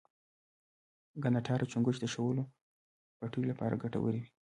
کانټار او چنگښې د شولو پټیو لپاره گټور وي.